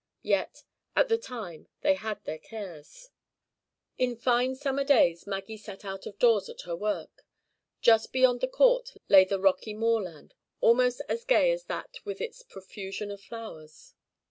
Yet, at the time they had their cares. In fine summer days Maggie sat out of doors at her work. Just beyond the court lay the rocky moorland, almost as gay as that with its profusion of flowers.